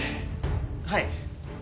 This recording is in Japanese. はい。